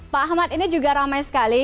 pak ahmad ini juga ramai sekali